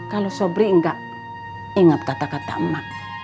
kalau sobri enggak ingat kata kata emak